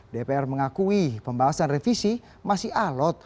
dpr mengakui pembahasan revisi masih alot